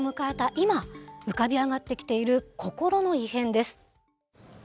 今浮かび上がってきている心の異変です。